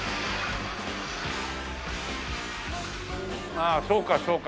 ああそうかそうか。